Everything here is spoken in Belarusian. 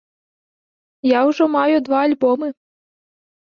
Я ўжо маю два альбомы.